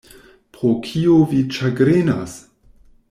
Pro kio vi ĉagrenas?